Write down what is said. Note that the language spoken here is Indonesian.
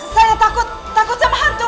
saya takut takut sama hantu